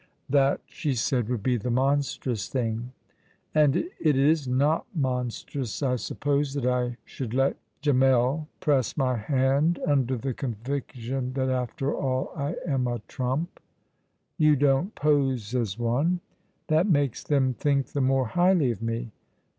"That," she said, "would be the monstrous thing." "And it is not monstrous, I suppose, that I should let Gemmell press my hand under the conviction that, after all, I am a trump." "You don't pose as one." "That makes them think the more highly of me!